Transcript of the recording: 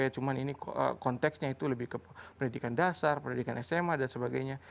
cuma ini konteksnya itu lebih ke pendidikan dasar pendidikan sma dan sebagainya